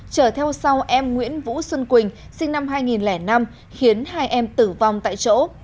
trở theo sau em nguyễn vũ xuân quỳnh sinh năm hai nghìn năm khiến hai em tử vong tại chỗ